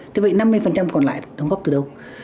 thế vậy năm mươi còn lại đóng góp từ đâu